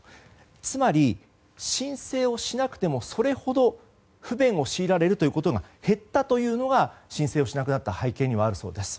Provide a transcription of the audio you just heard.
つまり、申請をしなくてもそれほど不便を強いられることが減ったというのが申請をしなくなった背景にあるそうです。